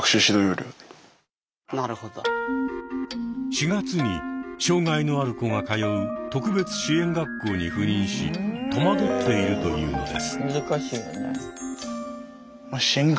４月に障害のある子が通う特別支援学校に赴任し戸惑っているというのです。